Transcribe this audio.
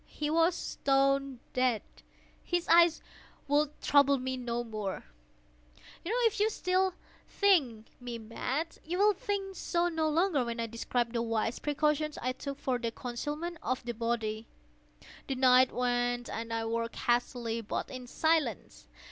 He was stone dead. His eye would trouble me no more. If still you think me mad, you will think so no longer when I describe the wise precautions I took for the concealment of the body. The night waned, and I worked hastily, but in silence.